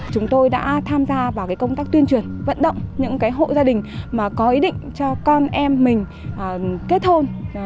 chúng tôi đã tham gia vào công tác tuyên truyền vận động những hộ gia đình mà có ý định cho con em mình kết hôn